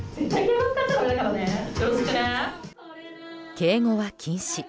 敬語は禁止。